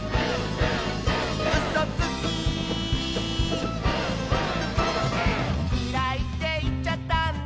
「きらいっていっちゃったんだ」